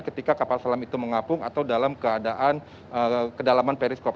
ketika kapal selam itu mengapung atau dalam keadaan kedalaman periskop